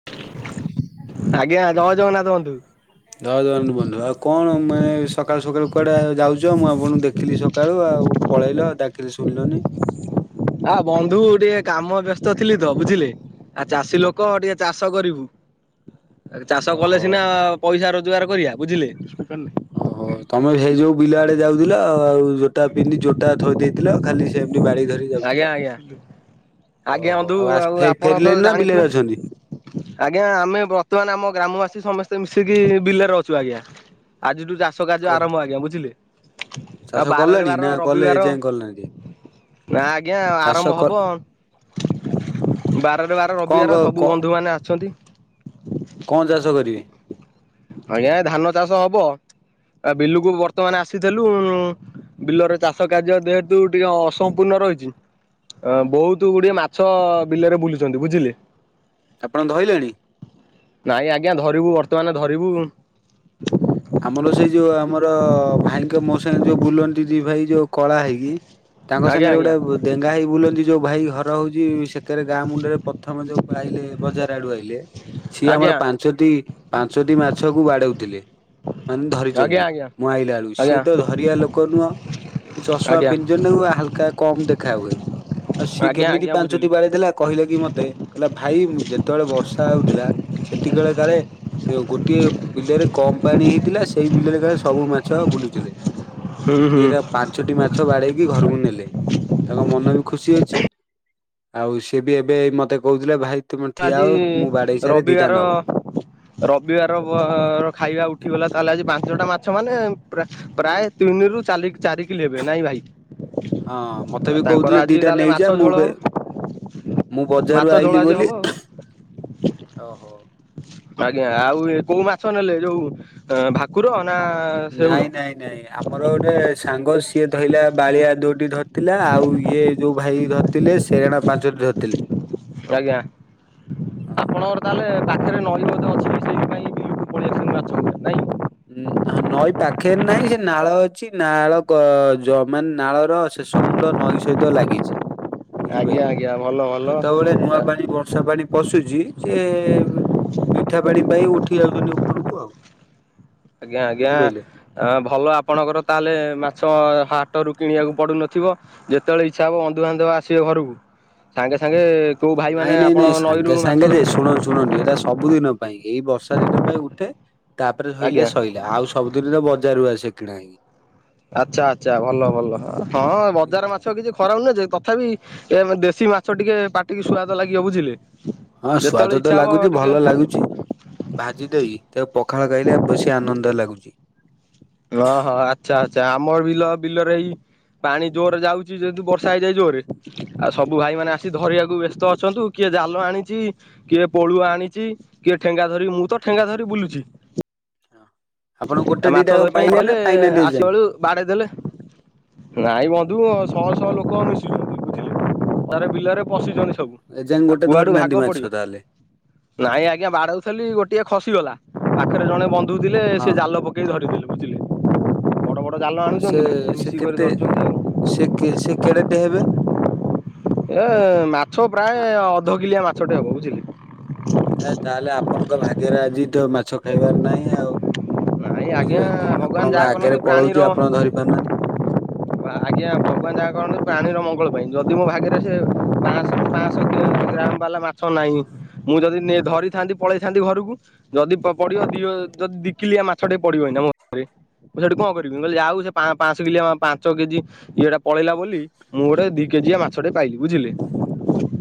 ହ ଆଜ୍ଞା। ଜୟ ଜଗନ୍ନାଥ ବନ୍ଧୁ। ଜୟ ଜଗନ୍ନାଥ ବନ୍ଧୁ। ଆଉ କଣ ମାନେ ସକାଳୁ ସକାଳୁ କୁଆଡେ ଯାଉଛ ମୁଁ ଆପଣଙ୍କୁ ଦେ ଦେଖିଲି ସକାଳୁ ଆଉ ପଳେଇଲ ଡ଼ାକିଲି ଶୁଣିଲନି। ଆ ବନ୍ଧୁ ଟିକେ କାମ ବ୍ୟସ୍ତ ଥିଲି ତ ବୁଝିଲେ ଆ ଚାଷୀ ଲୋକ ଟିକେ ଚାଷ କରିବୁ। ହ ଏ ଚାଷ କଲେ ସିନା ପଇସା ରୋଜଗାର କରିବା ବୁଝିଲେ। ଓ ହୋ। ତମେ ସେଇ ଯୋଉ ବିଲ ଆଡେ ଯାଉଥିଲ ଆଉ ଜୋତା ପିନ୍ଧି ଜୋତା ଥୋଇ ଦେଇଥିଲ ଖାଲି ସେମିତି ବାଡି ଧ ଧରି ଆଜ୍ଞା ଯାଉଥିଲ। ଆଜ୍ଞା ଆଜ୍ଞା ଓହୋ। ବନ୍ଧୁ ଆଉ ଆସ ଆପଣ ତ ଫେ-ଫେରିଲେଣି ନା ଜାଣିଥିବେ ବିଲେରେ ଅଛନ୍ତି? ଆଜ୍ଞା। ଆମେ ବର୍ତ୍ତମାନ ଆମ ଗ୍ରାମବାସୀ ସମସ୍ତେ ମିଶିକି ବିଲରେ ଅଛୁ ଆଜ୍ଞା। ଆଜିଠୁ ଚାଷ କ କାର୍ଯ୍ୟ ଆରମ୍ଭ ଆଜ୍ଞା ବୁଝିଲେ। ଆଉ ବାରରେ ବାର ରବିବାର। ଭଲ ନାହାନ୍ତି। ନା ଆଜ୍ଞା ଆରମ୍ଭ ହବ। ବାରରେ ବାର କଣ କ ରବିବାର କ ସବୁ ବନ୍ଧୁମାନେ ଆସିଛନ୍ତି। କଣ ଚାଷ କରିବେ? ଆଜ୍ଞା ଧାନ ଚାଷ ହବ ଆ ବିଲୁକୁ ବର୍ତ୍ତମାନ ଆସିଥିଲୁ। ବିଲରେ ଚାଷ କାର୍ଯ୍ୟ ଯେହେତୁ ଟିକେ ଅସମ୍ପୂର୍ଣ୍ଣ ରହିଛି। ଅ ବହୁତ ଗୁଡିଏ ମାଛ ବିଲରେ ବୁଲୁଛନ୍ତି ବୁଝିଲେ। ଆପଣ ଧଇଲେଣି। ନାଇଁ ଆଜ୍ଞା ଧରିବୁ ବର୍ତ୍ତମାନ ଧରିବୁ। ଆମର ସେଇ ଯୋଉ ଆମର ଭାଇଙ୍କ ମୋ ସାଙ୍ଗେ ଯୋଉ ବୁଲନ୍ତି ଦି ଭାଇ ଯୋଉ କଳା ହେଇକି। ତାଙ୍କ ଆଜ୍ଞା ସାଙ୍ଗରେ ଆଜ୍ଞା ଗୋଟେ ବ ଡେଙ୍ଗା ହେଇ ବୁଲନ୍ତି ଯୋଉ ଭାଇ ଘର ହଉଛି ସେ କେରେ ଗାଁ ମୁଣ୍ଡରେ। ପ୍ରଥମ ଯୋଉ ପାଇଲେ ବଜାର ଆଡୁ ଆଇଲେ। ସିଏ ଆଜ୍ଞା ଆମର ପାଞ୍ଚଟି ପାଞ୍ଚଟି ମାଛ କୁ ବାଡଉଥିଲେ। ମାନ ଆଜ୍ଞା ଧରିଛନ୍ତି ଆଜ୍ଞା ମୁଁ ଆଇଲା ବେଳୁ ଆଜ୍ଞା ସିଏ ତ ଧରିବା ଲୋକ ନୁହଁ। ଚଷମା ଆଜ୍ଞା ପିନ୍ଧିଛନ୍ତି [unintelligible] ହାଲକା। କମ ଦେଖା ହୁଏ ଆଉ ସିଏ ଆଜ୍ଞା କେମିତି ଆଜ୍ଞା ବୁଝିଲି ପାଞ୍ଚଟି ବାଡେଇ ଦେଲା କହିଲା କି ମତେ। କହିଲା ଭାଇ ଯେତେବେଳେ ବର୍ଷା ହଉଥିଲା ସେତିକିବେଳେ କାଳେ। [unintelligible] ଗୋଟିଏ ବିଲରେ କମ୍। ପାଣି ହେଇଥିଲା ସେଇ ବିଲରେ କାଳେ ସବୁ ମାଛ ବୁଲୁଥିଲେ ହୁଁ ହୁଁ ସିଏ ରା ପା ପାଞ୍ଚୋଟି ମାଛ ବାଡେଇକି ଘରକୁ ନେଲେ ତାଙ୍କ ମନ ବି ଖୁସି ଅଛି। ଆଉ ସିଏ ବି ଏବେ ମତେ କହୁଥିଲେ ଭାଇ। ତୁମେ ଠିଆ ଆଜି ହୁଅ ମୁଁ ବାଡେଇ ସାରେ ଦିଟା ରବିବାର। ନବ। ରବିବାର ବ ଖାଇବା ଉଠିଗଲା ତାହେଲେ ଆଜି ପାଞ୍ଚଟା ମାଛ ମାନେ ପୁରା। ପ୍ରାୟ ତିନିରୁ ଚାଲି ଚାରି କିଲେ ହେବେ ନାଇ ଭାଇ। ହଁ ମତେ ବି ତାଙ୍କର କହୁଥିଲେ ଆଜି ଦିଟା ତାହେଲେ ମାଛ ନେଇଯା ମୁଁ ଝୋଳ କ ହବ ମୁଁ ମାଛ ବଜାରରୁ ଝୋଳ ଆଇଲିି ଆଜି ହବ ବୋଲି ଆଉ। ଓ ଆଜ୍ଞା। ଆଉ ଏ କୋଉ ମାଛ ନେଲେ ଯୋଉ ଏ ଭାକୁର ନା ନାଇଁ ଶେଉଳ? ନାଇଁ ନାଇଁ ଆମର ଗୋଟେ ସାଙ୍ଗ ସିଏ ଧଇଲା ବାଳିଆ ଦୁଇଟି ଧରିଥିଲା ଆଉ ଇଏ ଯୋଉ ଭାଇ ଧ ଥିଲେ ସେରେଣା ପାଞ୍ଚଟି ଧରିଥିଲେ। ଆଜ୍ଞା ଆପଣଙ୍କର। ତାହେଲେ ପାଖରେ ନଈ ମଧ୍ୟ ଅଛି ସେଇଥିପାଇଁ ବିଲକୁ ପଳେଇ ଆସୁଛନ୍ତି ମାଛ ଗୁଡ଼ା ନାହିଁ। ହଁ ନଈ ପାଖେରେ ନାହିଁ ସେ ନାଳ ଅଛି ନାଳ ଯ ନାଳ ର ଶେଷ ମୁଣ୍ଡ ନଈ ସହିତ ଲାଗିଛି ଆଜ୍ଞା ବୁଝିପାରିଲେ ଆଜ୍ଞା ଭଲ ଭଲ ଯେତେବେଳେ ନୂଆ ପାଣି ବର୍ଷା ପାଣି ପଶୁଛି ଟିକେ ମିଠା ପାଣି ପାଇଁ ଉଠି ଯାଉଛନ୍ତି ଉପରକୁ ଆଉ ଆଜ୍ଞା ଆଜ୍ଞା ବୁଝିପାରିଲେ। ଅ ଭଲ ଆପଣଙ୍କର ତାହେଲେ ମାଛ ହାଟରୁ କିଣିବାକୁ ପଡୁନଥିବ ଯେତେବେଳେ ଇଚ୍ଛା ହବ ଵନ୍ଧୁବାନ୍ଧ ଆସିବେ ଘରକୁ ସାଙ୍ଗେ ସାଙ୍ଗେ କଉ ଭାଇମାନେ ଆପଣ ନଈରୁ ମାଛ ଧରନ୍ତି ଶୁଣୁ ଶୁଣନ୍ତୁ ଏଇଟା ସବୁ ଦିନ ପାଇଁ ଏଇ ବର୍ଷା ଦିନ ପାଇଁ ଉଠେ ତାପରେ ଶୋଇିଲେ ଆଜ୍ଞା। ଶୋଇଲା ଆଉ ସବୁଦିନ ତ ବଜାରରୁ ଆସେ କିଣା ହେକି ଆଚ୍ଛା ଆଚ୍ଛା ଭଲ ଭଲ ହଁ ବଜାର ବୁଝିପାରିଲେ। ମାଛ କିଛି ଖରା ନୁହେଁ ଯେ ତଥାପି ଏ ଦେଶୀ ମାଛ ଟିକେ ପାଟିକି ସ୍ୱାଦ ଲାଗିବ ବୁଝିଲେ ହଁ ଯେତେବେଳେ ସ୍ଵାଦ ତ ଇଚ୍ଛା ହବ ଲାଗୁଚି ଟିକେ ଭଲ ଲାଗୁଛି ଭାଜି ଦେଇ ତାକୁ ପଖାଳ ଖାଇଲେ ବେଶୀ ଆନନ୍ଦ ଲାଗୁଛି ଓଁହଁ ଆଚ୍ଛା ଆଚ୍ଛା ଆମର ବିଲ ବିଲରେ ଏଇ ପାଣି ଜୋରରେ ଯାଉଛି ଯେହେତୁ ବର୍ଷା ହେଇଯାଏ ଜୋର ରେ ଆଉ ହୁଁ ସବୁ ଭାଇ ମାନେ ଆସ କି ଧରିବାକୁ ବ୍ୟସ୍ତ ଅଛନ୍ତୁ କିଏ ଜାଲ ଆଣିଛି କିଏ ପଳୁଆ ଆଣିଛି କିଏ ଠେଙ୍ଗା ଧରି ମୁଁ ତ ଠେଙ୍ଗା ଧରି ବୁଲୁଛି ହଁ ଆପଣ ଗୋଟେ ଦିଟା ପାଇଲେ ନା ପାଇନାନ୍ତି ଏ ଯାଏଁ ବାଡ଼େଇ ଦେଲେ ନାଇଁ ବନ୍ଧୁ ଶହ ଶହ ଲୋକ ମିଶଥିଲେ ତାର ବିଲରେ ପଶିଛନ୍ତି ସବୁ ଏ ଯାଏଁ ଆଉ ଗୋଟେ କୁଆଡୁ ଭାଗ ଧରିନାହାନ୍ତି ପଡିବ। ମାଛ ତାହେଲେ ନାଇଁ ଆଜ୍ଞା ବାଡଉଥିଲି ଗୋଟିଏ ଖସି ଗଲା ପାଖରେ ଜଣେ ବନ୍ଧୁ ଥିଲେ ହଁ ସେ ଜାଲ ପକେଇ କେହି ଧରିଦେଲେ ବୁଝିଲେ ବଡ଼ ବଡ଼ ଜାଲ ଆଣୁଛନ୍ତି ନା ସେ ମିଶିକରି ଧରୁଛନ୍ତି ଆରୁ ସେ କେ ସେ କେଡେଟେ ହେବେ ଏ ମାଛ ପ୍ରାୟ ଅଧ କିଲିଆ ମାଛଟେ ହବ ବୁଝିଲେ ଏ ତାହେଲେ ଆପଣଙ୍କ ଭାଗ୍ୟରେ ଆଜି ତ ମାଛ ଖାଇବାର ନାହିଁ ଆଉ ନାଇଁ ଆଜ୍ଞା ବୁଝିପାରିଲି ଭଗବାନ ଯାହା ଆପଣଙ୍କ କରନ୍ତି ଆଗରେ ପ୍ରାଣୀର ପଳଉଛି ଆପଣ ଧରି ପାରୁନାହାନ୍ତି ଆଜ୍ଞା ଭଗବାନ ଯାହା କରନ୍ତି ପ୍ରାଣୀର ମଙ୍ଗଳ ପାଇଁ ଯଦି ମ ଭାଗରେ ସେ ପାଁ ଡ଼୍ୟାମ୍ ବାଲା ମାଛ ନାହିଁ ମୁଁ ଯଦି ଧରିଥାନ୍ତି ପଳେଇଥାନ୍ତି ଘରକୁ ଯଦି ପଡିବ ଦିଅ ଯଦି ଦିକିଲିଆ ମାଛ ସେଠିକ ପଡିବନି ମୁରେ ମୁଁ ସେଠି କଣ କରିବି କହିଲି ଯ ଆଉ ସେ ପାଞ୍ଚ କିଲି ପାଞ୍ଚ କେଜି ଇଏଟା ପଳେଇଲା ବୋଲି ମୁଁ ଗୋଟେ ଦି କେଜିଆ ମାଛଟେ ପାଇଲି ବୁଝିଲେ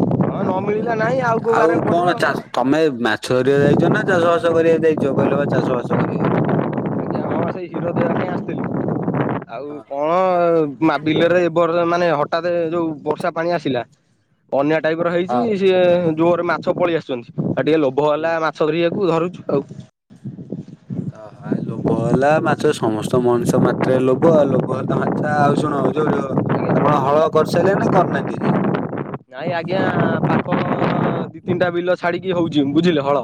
ହଁ ନ ଓହୋ ମିଳିଲା ନାହିଁ ଏମିତି କୋଉ ଆଉ ବାରରେ ପଡିବ। କଣ ଚାଷ ତମେ ମାଛ ଧରିବାକୁ ଯାଇଛ ନା ଚାଷ ବାସ କରିବାକୁ ଯାଇଛ କହିଲ ବା ଚାଷ ବାସ କରିବାକୁ ଯାଇଛ [unintelligible] ସେ ହିରୋ ଦେବା ପାଇଁ ଆସିଥିଲି ଆଉ ହଁ କଣ ହଁ ବିଲରେ ମାନେ ହଠାତ୍ ଯୋଉ ବର୍ଷା ପାଣି ଆସିଲା ଵନ୍ୟା ଟାଇପ ର ହେଇଛି ହଁ ସେ ଯୋରେ ମାଛ ପଳେଇ ଆସିଛନ୍ତି ଆଉ ଟିକେ ଲୋଭ ହୁଁ ହେଲା ସରିବାକୁ ଧରୁଛୁ ଆଉ ଓ ହ ଲୋଭ ହେଲା ମାଛ ସମସ୍ତ ମଣିଷ ମାତ୍ରେ ଲୋଭ ଆଉ ଲୋଭ ହେଲା ମାଛ ଆଉ ଶୁଣ ଯୋଉ ଆପଣ ହଳ କରିସାରିଲେ ନା କରିନାହାନ୍ତି ନାଇଁ ଆଜ୍ଞା ପାପ ଦି ତିନିଟା ବିଲ ଛାଡିକି ହଉଛି ବୁଝିଲେ ହଳ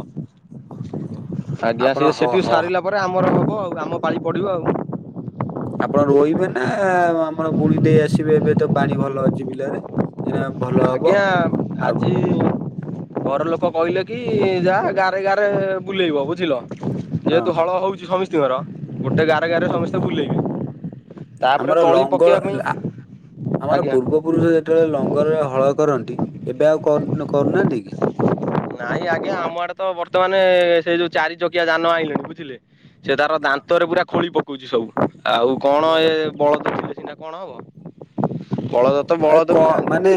ଓହୋ ଆଜ୍ଞା ଆପଣ ସିଏ ହ ସେଠି ହ ସାରିଲା ପରେ ଆମର ହବ ଆଉ ଆମ ପାଳି ପଡିବ ଆଉ ଆପଣ ରୋଇବେ ନା ଆମର ବୁଣି ଦେଇ ଆସିବେ ଏବେ ତ ପାଣି ଭଲ ଅଛି ବିଲରେ ଏଇନା ଭଲ ହବ ଆଜ୍ଞା ଆଉ ଆଜି ଘର ଲୋକ କହିଲେ କି ଯାହା ଗାରେ ଗାରେ ବୁଲେଇବ ବୁଝିଲ। ହଁ ଯେହେତୁ ହଳ ହଉଛି ସମସ୍ତତିଙ୍କର ଗୋଟେ ଗରେ ଗରେ ସମସ୍ତେ ବୁଲେଇବ ଆମର ଲଙ୍ଗଳ ଲା ଆମର ଆଜ୍ଞା ପୂର୍ବ ପୁରୁଷ ଯେତେବେଳେ ଲଙ୍ଗରରେ ହଳ କରନ୍ତି ଏବେ ଆଉକରୁ କରୁନାହାନ୍ତି କି। ନାଇଁ ଆଜ୍ଞା ଆମ ଆଡେ ତ ବର୍ତ୍ତମାନେ ସେଇ ଯୋଉ ଚାରି ଚକିଆ ଯାନ ଆଣିଲେଣି ବୁଝିଲେ। ସେ ତାର ଦାନ୍ତରେ ପୁରା ଖୋଳି ପକଉଚି ସବୁ ଆଉ କଣ ହଁ ଏ ଓହୋ ବଳଦ ଥିଲେ ସିନା କଣ ହବ। ବଳଦ ତ ଆରେ ବଳଦ ବି କଣ ନାହାନ୍ତି। ମାନେ।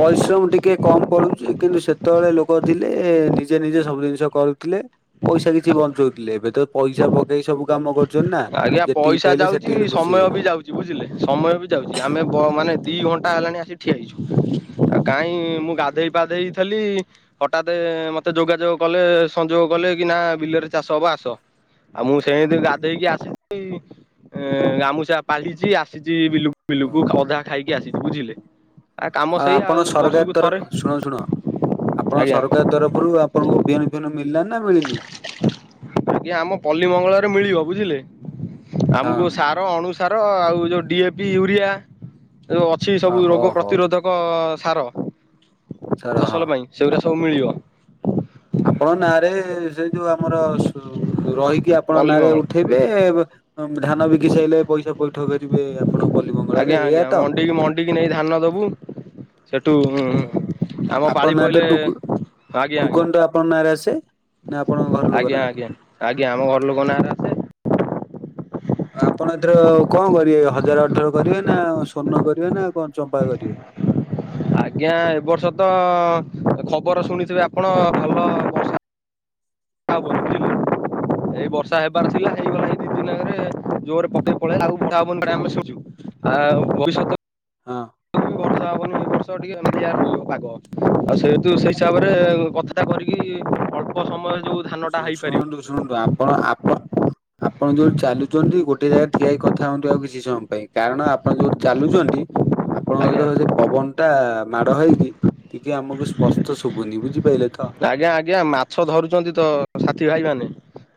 ପରିଶ୍ରମ ଟିକେ କମ ପଡୁଚି କିନ୍ତୁ ସେତେବେଳେ ଲୋକୋ ଥିଲେ ନିଜେ ନିଜେ ସବୁ ଜିନିଷ କରୁଥିଲେ। ପଇସା କିଛି ବଞ୍ଚଉଥିଲେ ଏବେ ତ ପଇସା ପକେଇ ସବୁ କାମ କରୁ ଶୁଣୁନା ଆଜ୍ଞା ଯେତିକି ପଇସା ପାଇଲେ ଯାଉଛି ସେଠିକିରେ ଖୁସି ସମୟ ବି ହେଇଯାଉଛନ୍ତି। ଯାଉଛି ବୁଝିଲେ ସମୟ ବି ଯାଉଚି ଆମେ ବ ମାନେ ଦି ଘଣ୍ଟା ହେଲାଣି ଆସି ଠିଆ ହେଇଚୁ। ଆଉ କାହିଁ ମୁଁ ଗାଧେଇ ପାଧେଇଥେଲି ହଟାତେ ମତେ ଯୋଗାଯୋଗ କଲେ ସଂଯୋଗ କଲେ କି ନା ବିଲରେ ଚାଷ ହବ ଆସ। ଆଉ ମୁଁ ହଁ ସେଏଁତି ଗାଧେଇ କି ଆସି ଛି ଏଁ ଗାମୁଛା ପାଲିଟିଛି ଆସିଛି ବିଲୁକୁ ବିଲୁକୁ ଆଉ ଅଧା ଖାଇକି ଆସିଚି ବୁଝିଲେ। କାମ ଆ ସେଇ ଆଉ ଆପଣ ବର୍ଷକୁ ସରକାର ତର ଥରେ ଶୁଣ ଶୁଣ ଆପଣ ଆଜ୍ଞା ସରକାର ତରଫରୁ ଆପଣଙ୍କୁ ବିହନ ଫିଅନ ମିଳିଲା ନି ମିଳିନି। ଆଜ୍ଞା ଆମ ପଲ୍ଲୀ ମଙ୍ଗଳରେ ମିଳିବ ବୁଝିଲେ ହଁ ଆମକୁ ସାର ଅଣୁ ସ ସାର ଆଉ ଯେଉଁ ଡିଏ ପି ୟୁରିଆ ଏ ଯୋଉ ଅଛି ହ ସବୁ ହଉ ରୋଗ ହଉ ପ୍ରତିରୋଧ କ ସାର ସାର୍ ହଁ। ଫସଲ ପାଇଁ ସେଗୁରା ସବୁ ମିଳିବ। ଆପଣ ନାଁରେ ସେ ଯୋଉ ଆମର ଶୁ ରହିକି ଆପଣ ପଲ୍ଲୀ ନାଁରେ ମଙ୍ଗଳ ଉଠ ନେବେ ଧାନ ବିକି ସାଇଲେ ପଇସା ପଇଠ କରିବେ ଆପଣ ପଲ୍ଲୀମଙ୍ଗଳରେ ଏଇଆ ତ। ଡ଼ିକି ନେଇ ଧାନ ଦବୁ। ସେଠୁ ହଁ ଆମ ପାଳି ଆପଣ ନାଁରେ ତ ପଇଲେ ଟୁକୁନ ଆଜ୍ଞା ଟୁକନ ଟା ଆପଣ ନାଁରେ ଆସେ। ନା ଆପଣଙ୍କ ଘର ଲୋକ ଆଜ୍ଞା ଆଜ୍ଞା ନା ଆଜ୍ଞା ଆଜ୍ଞା ଆମ ଘର ଲୋକ ନା ରେ ଆସେ। ଆପଣ ଏଥର କଣ କରିବେ ହଜାର ଅଠର କରିବେ ନା ସ୍ଵର୍ଣ୍ଣ କରିବେ ନା କଣ ଚମ୍ପା କରିବେ? ଆଜ୍ଞା ଏ ବର୍ଷ ତ ଖବର ଶୁଣିଥିବେ ଆପଣ ଭଲ ବର୍ଷା [unintelligible] ଏଇ ବର୍ଷା ହେବାର ଥିଲା ଏଇଗଲେ ଏଇ ଦି ଦିନକରେ। ଜୋରରେ ପକେଇ [unintelligible] ଆ ଭବିଷ୍ୟତ। ହଁ। [unintelligible] [unintelligible] ପାଗ ଆଉ ସେହେତୁ ସେଇ ହିସାବରେ କଥାଟା କରିକି ଅଳ୍ପ ସମୟରେ ଯୋଉ ଧାନଟା ଶୁ ହେଇପାରିବ ଶୁଣନ୍ତୁ ଶୁଣନ୍ତୁ ଆପଣ ଆପଣ ଆପଣ ଯୋଉଠି ଚାଲୁଚନ୍ତି ଗୋଟିଏ ଜାଗାରେ ଠିଆ ହେଇ କଥା ହୁଅନ୍ତୁ। ଆଉ କିଛି ସମୟ ପାଇଁ କାରଣ ଆପଣ ଯୋଉଠି ଚାଲୁଚନ୍ତି ଆପଣଙ୍କ ଆଜ୍ଞା ସହିତ ସେ ଯେ ପବନ ଟା ମାଡ ହେଇକି ଟିକେ ଆମକୁ ସ୍ପଷ୍ଟ ଶୁଭୁନି ବୁଝିପାଇଲେ ତ ଆଜ୍ଞା ଆଜ୍ଞା ମାଛ ଧରୁଚନ୍ତି ତ ସାଥି ଭାଇ ମାନେ।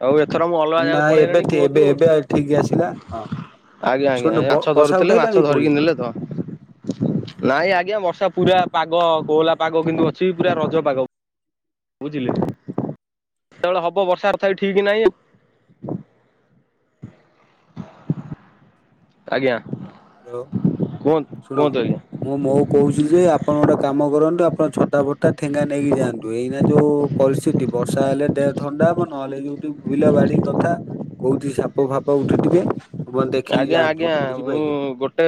ଆଉ ଏଥର ମୁଁ ଅଲଗା ନା ଜାଗାକୁ ଏବେ ପଳେଇଲେଣି ଠି ଏବେ କୁହନ୍ତୁ। ଏବେ ଠିକ ଆସିଲା ହଁ ଆଜ୍ଞା ଶୁଣୁ ଆଜ୍ଞା ବ ମାଛ ବର୍ଷା ଧରୁଥିଲେ ଉଠେଇଲାଣି ମାଛ ପୁଣି ଧରିକି ନେଲେ ତ। ନାଇଁ ଆଜ୍ଞା ବର୍ଷା ପୁରା ପାଗ କୋହଲା ପାଗ କିନ୍ତୁ ଅଛି ପୁରା ରଜ ପାଗ। ବୁଝିଲେ କେତେବେଳେ ହବ ବର୍ଷା ତଥାପି ଠିକ ନାହିଁ। ଆଜ୍ଞା। ହ୍ୟାଲୋ କୁହନ୍ତୁ ଶୁଣ କୁହନ୍ତୁ ଆଜ୍ଞା ମୁଁ ମୋଉ କହୁଚି ଯେ ଆପଣ ଗୋଟେ କାମ କରନ୍ତୁ ଆପଣ ଛତା ଫତା ଠେଙ୍ଗା ନେଇକି ଯାଆନ୍ତୁ ଏଇନା ଯୋଉ ପରିସ୍ଥିତି ବର୍ଷା ହେଲେ ଦେହ ଥଣ୍ଡା ହବ ନହେଲେ ଜୋମିତି ବିଲ ବାଡି କଥା କୋଉଠି ସାପ ଫାପ ଉଠି ଥିବେ। ଆଜ୍ଞା ଆଜ୍ଞା ମୁଁ ଗୋ ଗୋଟେ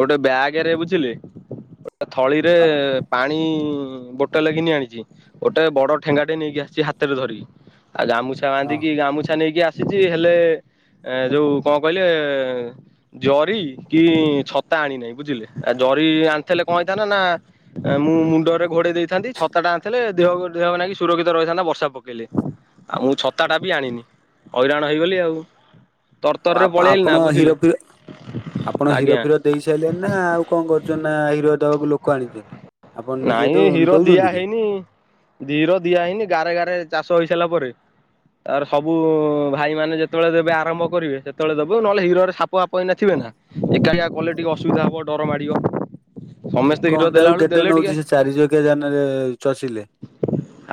ଗୋଟେ ବ୍ୟାଗରେ ବୁଝିଲେ ଗୋଟେ ଥଳିରେ ହଁ। ପାଣି ବୋଟେଲେ ଘିନି ଆଣିଚି ଗୋଟେ ବଡ ଠେଙ୍ଗା ଟେ ନେଇକି ଆସିଛି ହାତରେ ଧରିକି। ଆଉ ଗାମୁଛା ବାନ୍ଧିକି ହଁ ଗାମୁଛା ନେଇକି ଆସିଛି ହେଲେ ଏ ଯୋଉ କଣ କଇ ଟେ ଜରି କି ଛତା ଆଣିନାହିଁ ବୁଝିଲେ ଆ ଜରି ଆଣିଥିଲେ କଣ ହେଇଥାନ ନା ମୁଁ ମୁଣ୍ଡରେ ଘୋଡେଇ ଦେଇଥାନ୍ତି ଛତା ଟା ଆଣିଥିଲେ ଦେହ ଦେହ ନାକି ସୁରକ୍ଷିତ ରହିଥାନ୍ତା ବର୍ଷା ପକେଇଲେ। ଆଉ ମୁଁ ଛତା ଟା ବି ଆଣିନି ହଇରାଣ ହେଇଗଲି ଆଉ ଆ ତରତରରେ ପଳେଇଆଇଲି ନା ଆପଣ ହିରୋ ବୁଝିଲେ ଫିର ଆପଣ ହିରୋ ଆଜ୍ଞା। ଫିର ଦେଇ ସାରିଲେ ନା ଆଉ କଣ କରୁଛନ୍ତି ନା ହିରୋ ଦେବାକୁ ଲୋକ ଆଣିଛନ୍ତି। ଆପଣ ନିଜେ ଦୋଉ ଦଉଛନ୍ତି କି? ହୁଁ ଧିର ଦିଆ ହେଇନି ଗାରେ ଗାରେ ଚାଷ ହେଇସାରିଲା ପରେ ତାର ସବୁ ଭାଇମାନେ ଯେତେବେଳେ ଦେବେ ଆରମ୍ଭ କରିବେ ସେତେବେଳେ ଦବୁ ନହେଲେ ହିରୋରେ ସାପ ଫାପ ଏନା ଥିବେ ନା ଏକାନିଆ କଲେ ଟିକେ ଅସୁବିଧା ହବ ଟିକେ ଡର ମାଡ଼ିବ। ଆ ଏକ ସମସ୍ତେ ହିର ଘଣ୍ଟା ଦେଲା କୁ ବେଳୁ କେତେ ଦେଲେ ଟିକେ ନଉଚି ସେ ଚାରି ଚକିଆ ଯାନରେ ଚଷିଲେ।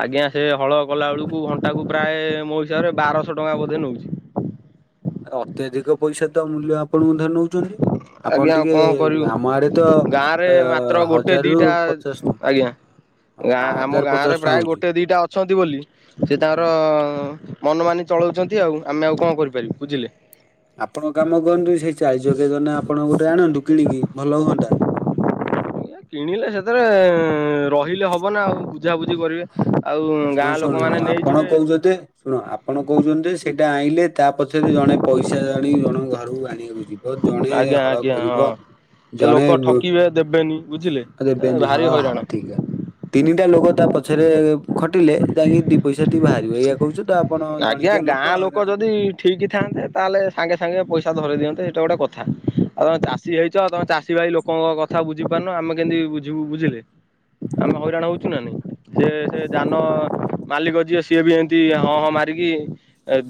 ଆଜ୍ଞା ସେ ହଳ କଲା ବେଳକୁ ଘଣ୍ଟା କୁ ପ୍ରାୟ ମୋ ହିସାବରେ ବାରଶହ ଟଙ୍କା ବୋଧ ନଉଛି। ଆ ଅତ୍ୟଧିକ ପଇସା ତ ମୂଲ୍ୟ ଆପଣଙ୍କ ଠାରୁ ନଉଛନ୍ତି। ଆଜ୍ଞା ଆପଣ ଆଉ ଟିକେ କଣ କରିବୁ ଆମ ଆଡେ ତ ଗାଁରେ ମାତ୍ର ଗୋଟେ ହଜାର ରୁ ଦିଟା ପଚାଶ ଟଙ୍କା। ଆଜ୍ଞା ଗାଁ ହଁ ଆମ ଗାଁରେ ପ୍ରାୟ ହଉଛି। ଗୋଟେ ଦିଇଟା ଅଛନ୍ତି ବୋଲି ସେ ତାଙ୍କର ମନ ମାନି ଚଳାଉଛନ୍ତି ଆଉ ଆମେ ଆଉ କଣ କରିପାରିବୁ ବୁଝିଲେ। ଆପଣଙ୍କ କାମ କରନ୍ତୁ ସେଇ ଚାରି ଚକିଆ ଯାନ ଆପଣ ଗୋଟେ ଆଣନ୍ତୁ କିଣିକି ଭଲ ହୁଅନ୍ତା। ଆ କିଣିଲେ ସେଥିରେ ରହିଲେ ହବ ନା ଆଉ ବୁଝାବୁଝି କରିବେ ଆଉ ଶୁଣ ଗାଁ ଶୁଣୁ ଲୋକମାନେ ଶୁଣ ଆପଣ ନେଇଯିବେ କହୁଛନ୍ତି ଶୁଣ ଆପଣ କହୁଛନ୍ତି ସେଇଟା ଆଇଲେ ତା ପଛରେ ଜଣେ ପଇସା ଜଣି ଜଣେ ଘରକୁ ଆଣିବାକୁ ଯିବ ଜଣେ ଆଜ୍ଞା ହଳ ଆଜ୍ଞା ହଁ। କରିବ। ଏ ଜଣେ ଲୋକ ଠକିବେ ଦେବେନି ବୁଝିଲେ ଉବ୍ ଏ ଦେବେନି ଭାରି ହଁ ହଇରାଣ ହଁ ଠିକ୍ ଅ ତିନିଟା ଲୋକ ତା ପଛରେ ଖଟିଲେ ଯାଇକି ଦି ପଇସା ଟି ବାହାରିବ ଏୟା କହୁଛୁ ତ ଆପଣ ଆଜ୍ଞା ଜଣିକିଆ ଗାଁ ଲୋକ ହଇରାଣ ହେବେ। ଯଦି ଠିକ୍ ଥାନ୍ତେ ତାହଲେ ସାଙ୍ଗେ ସାଙ୍ଗେ ପଇସା ଧରି ଦିଅନ୍ତେ ସେଇଟା ଗୋଟେ କଥା ଆଉ ତମ ଚାଷୀ ହେଇଛ ଆ ତମେ ଚାଷୀ ଭାଇ ଲୋ କଙ୍କ କଥା ବୁଝି ପାରୁନ ଆମେ କେମିତି ବୁଝିବୁ ବୁଝିଲେ। ଆମେ ହଇରାଣ ହଉଛୁ ନା ନାଇଁ ସେ ସେ ଯାନ ମାଲିକ ଯିଏ ସିଏ ବି ସେମତି ହଁ ହଁ ମା ରିକି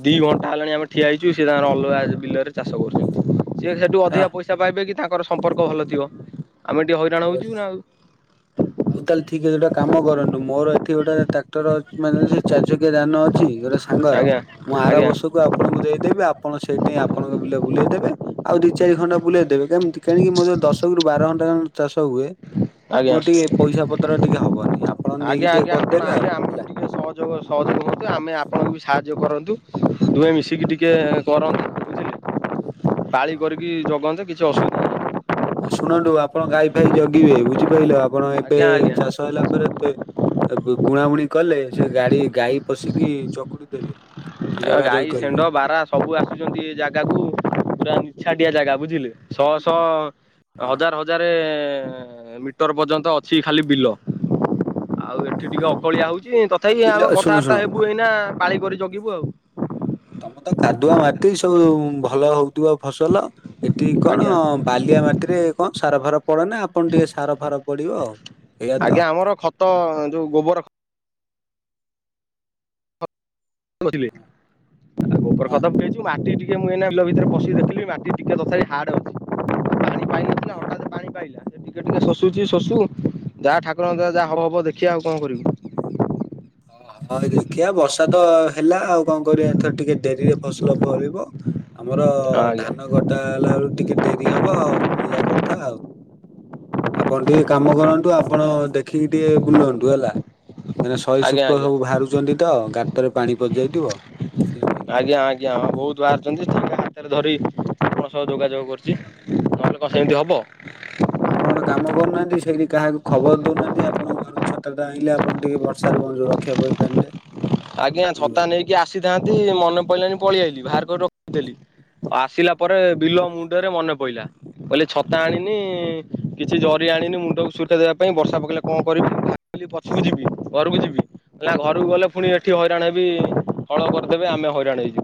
ଦି ଘଣ୍ଟା ହେଲାଣି ଆମେ ଠିଆ ହେଇଛୁ ସେ ତାଙ୍କ ଅଲଗା ବିଲରେ ଚାଷ କରୁଛନ୍ତି। ସିଏ ସେଠୁ ଆ ଅଧିକା ପଇସା ପାଇବେ କି ତାଙ୍କର ସମ୍ପର୍କ ଭଲ ଥିବ ଆମେ ଟିକେ ହଇରାଣ ହଉଛୁ ନା ଆଉ। ଆଉ ତାହେଲେ ଠିକ ଅଛି ଗୋଟେ କାମ କରନ୍ତୁ ମୋର ଏଠି ଗୋଟେ ଟ୍ରାକ୍ଟର ଅଛି ମାନେ ସେ ଚାରି ଚକିଆ ଯାନ ଅ ଛି ଗୋଟେ ସାଙ୍ଗର ଆଜ୍ଞା ମୁଁ ଆର ଆଜ୍ଞା ବର୍ଷକୁ ଆଉ ଆପଣଙ୍କୁ ଦେଇଦେବି ଆପଣ ସେଇଠାଇ ଆପଣଙ୍କ ବିଲେ ବୁଲେଇଦେବେ ଆଉ ଦି ଚାରି ଖଣ୍ଡ ବୁଲେଇ ଦେବେ। କେମିତି ଟିକେଆଣିକି ମୋର ଦଶ ରୁ ବାର ଘଣ୍ଟା ଉଁ ଚାଷ ହୁଏ। ଆଜ୍ଞା। ମୋର ଟିକେ ପଇସା ପତ୍ର ଟିକେ ହବନି ଆପଣ ଆଜ୍ଞା ନେଇକି ଟିକେ ଆଜ୍ଞା ଆପଣ କରିଦେବେ ଆଉ ଆଜ୍ଞା ଆମେ ବି ହେଲା। ସହଯୋଗ ସହଯୋଗ ହୁଅନ୍ତୁ ଆମେ ଆପଣଙ୍କୁ ବି ସାହାଯ୍ୟ କରନ୍ତୁ ଦୁହେଁ ମିଶିକି ଟିକେ କର ପାଳି ହଁ କରିକି ଜଗନ୍ତେ କିଛି ଅସୁବିଧା ନାହିଁ ଆଉ ଶୁଣନ୍ତୁ ଆପଣ ଗାଈ ଫାଇ ଜଗିବେ ବୁଝିପାରିଲେ ଆପଣ ଏବେ ଆଜ୍ଞା ଆଜ୍ଞା। ଚାଷ ହେଲା ପରେ ତ ତାକୁ ବୁଣାବୁଣି କଲେ ସେ ଗାଡି ଗାଈ ପଶିକି ଚକୁଟି ଦେବେ। ଟିକେ ଗାଈ, ଜଗାଜଗି ଷେଣ୍ଢ, କରିବେ ବାରାହ। ସବୁ ଆସୁଛନ୍ତି ଏ ଜାଗାକୁ। ପୁରା ନିଛାଟିଆ ଜାଗା ବୁଝିଲେ ଶହ ଶହ ହଁ ହଜାର ହଜାର ମିଟର ପର୍ଯ୍ୟନ୍ତ ଅଛି ଖାଲି ବିଲ। ଆଉ ଏଠି ଟିକେ ଅକଳିଆ ହଉଛି ତଥାପି ବିଲ ଆମେ ଶୁଣ କଥାବାର୍ତ୍ତା ଶୁଣ ହେବୁ ଏଇନା ପାଳି କରି ଜଗିବୁ ଆଉ। ତମର ତ କାଦୁଆ ମାଟି ସବୁ ଭଲ ହଉଥିବ ଫସଲ। ଏଠି କଣ ଆଜ୍ଞା ବାଲିଆ ମାଟିରେ କଣ ସାର ଫାର ପଡେ ନା ଆପଣ ଟିକେ ସାର ଫାର ପଡିବ ଆଉ। ଏଇଆ ତ। ଆଜ୍ଞା ଆମର ଖତ ଯୋଉ ଗୋବର। ହଁ ଗୋବର ଖତ ପକେଇଛି। ମାଟି ଟିକେ ମୁଁ ଏଇନା ବିଲ ଭିତରେ ପଶିକି ଦେଖିଲି ମାଟି ଟିକେ ତଥାପି ହାର୍ଡ ଅଛି। ପାଣି ପାଇନି। ହଁ। ପାଇଲା। ସେ ଟିକେ ଟିକେ ଶୋସୁଛି ଶୋସୁ। ହଁ। ଯାହା ଠାକୁରଙ୍କ ଦ୍ୱାରା ଯାହା ହବ ହବ ଦେଖିବା ଆଉ କଣ କରିବୁ। ହଁ ଦେଖିବା ବର୍ଷା ତ ହେଲା ଆଉ କଣ କରିବା ଏଥର ଟିକେ ଡେରିରେ ଫସଲ ଫଳିବ। ଆମର ଆଜ୍ଞା ଧାନ କଟା ହେଲା ବେଳକୁ ଟିକେ ଡେରି ହବ ଆଉ ଏଇଆ କଥା ଆଉ। ଆପଣ ଟିକେ କାମ କରନ୍ତୁ ଆପଣ ଦେଖିକି ଟିକେ ବୁଲନ୍ତୁ ହେଲା। ମାନେ ଶ ଆଜ୍ଞା ଆଜ୍ଞା ବାହାରୁଛନ୍ତି ତ ଗାତରେ ପାଣି ପଶିଯାଇଥିବ ସେଇଥିପାଇଁ। ଆଜ୍ଞା ଆଜ୍ଞା, ହଁ ବହୁତ ବାହାରିଛନ୍ତି ତାଙ୍କୁ ହାତରେ ଧରି ଆପଣଙ୍କ ସହ ଯୋଗାଯୋଗ କରୁଛି ନହେଲେ କଣ ସେମିତି ହବ। ଆପଣ ଗୋଟେ କାମ କରୁନାହାନ୍ତି ସେଇଠି କାହାକୁ ଖବର ଦଉନାହାନ୍ତି ଆପଣଙ୍କ ଘର। ଛତାଟା ଆଣିଲେ ଆପଣ ଟିକେ ବର୍ଷାରୁ କଣ ରକ୍ଷାପାଇପାରନ୍ତେ। ଆଜ୍ଞା ଛତା ନେଇକି ଆସିଥାନ୍ତି ମନେ ପଡିଲାନି ପଳିଆଇଲି। ବାହାର କରିକି ରଖିଥିଲି। ହଁ। ଆସିଲା ପରେ ବିଲ ମୁଣ୍ଡରେ ମନେ ପଡିଲା। କହିଲି ଛତା ଆଣିନି କିଛି ଜରି ଆଣିନି ମୁଣ୍ଡକୁ ସୁରକ୍ଷା ଦେବା ପାଇଁ ବର୍ଷା ପକେଇଲେ କଣ କରିବି। ପଛକୁ ଯିବି ଘରକୁ ଯିବି ନା ଘରକୁ ଗଲେ ପୁଣି ଏଠି ହଇରାଣ ହେବି ହଳ କରିଦେବେ ଆମେ ହଇରାଣ ହେଇଯିବୁ।